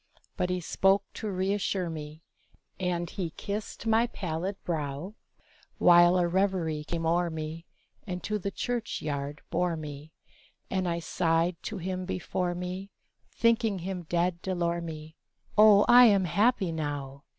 But he spoke to reasure me, And he kissed my pallid brow, While a reverie came o'er me, And to the church yard bore me, And I sighed to him before me, Thinking him dead D'Elormie, "Oh, I am happy now!"